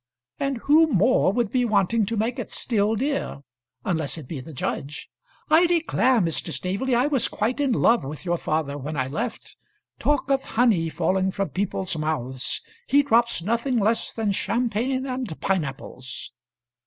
"And who more would be wanting to make it still dear, unless it be the judge? I declare, Mr. Staveley, I was quite in love with your father when I left. Talk of honey falling from people's mouths! he drops nothing less than champagne and pineapples."